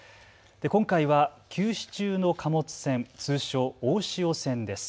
今回は休止中の貨物線、通称、大汐線です。